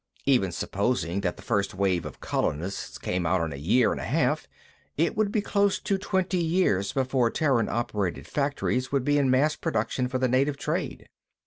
Even supposing that the first wave of colonists came out in a year and a half, it would be close to twenty years before Terran operated factories would be in mass production for the native trade.